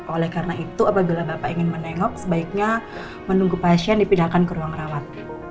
oleh karena itu apabila bapak ingin menengok sebaiknya menunggu pasien dipindahkan ke ruang rawat